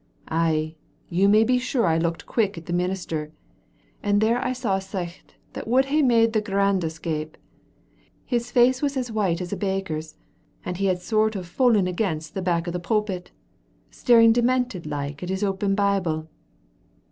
Ay, you may be sure I looked quick at the minister, and there I saw a sicht that would hae made the grandest gape. His face was as white as a baker's, and he had a sort of fallen against the back o' the pulpit, staring demented like at his open Bible."